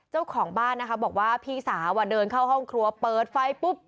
เจ้าของบ้านนะคะบอกว่าพี่สาวเดินเข้าห้องครัวเปิดไฟปุ๊บ